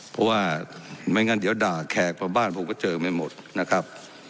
เพราะว่าไม่งั้นเดี๋ยวด่าแขกเพราะบ้านผมก็เจอไม่หมดนะครับ